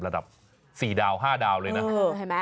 ระดับ๔ดาว๕ดาวเลยนะ